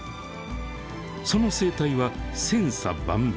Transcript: その生態は千差万別。